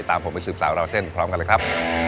ตามผมไปสืบสาวราวเส้นพร้อมกันเลยครับ